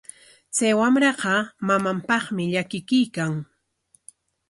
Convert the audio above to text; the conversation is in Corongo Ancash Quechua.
Chay wamraqa mamanpaqmi llakikuykan.